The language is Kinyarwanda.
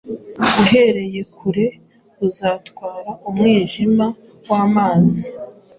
Uhereye kure uzatwara umwijima wamazi